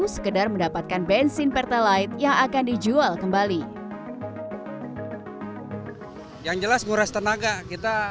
sekedar mendapatkan bensin pertalite yang akan dijual kembali yang jelas nguras tenaga kita